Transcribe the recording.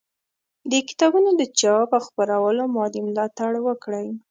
د کتابونو د چاپ او خپرولو مالي ملاتړ وکړئ